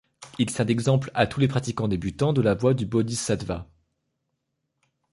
Il sert d'exemple à tous les pratiquants débutants de la voie du bodhisattva.